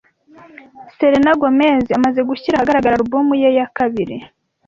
Selena Gomez amaze gushyira ahagaragara alubumu ye ya kabiri.